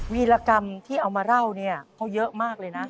วิรกรรมที่เอามาเล่าเนี่ยเขาเยอะมากเลยนะ